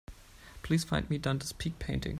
Please find me the Dante's Peak painting.